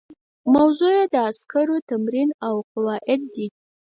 موضوع یې د عسکرو تمرین او قواعد دي.